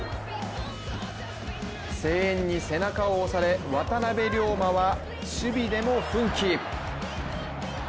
声援に背中を押され、渡邊凌磨は守備でも奮起。